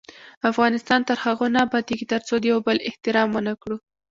افغانستان تر هغو نه ابادیږي، ترڅو د یو بل احترام ونه کړو.